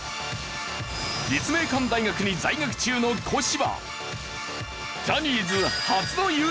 立命館大学に在学中の小柴。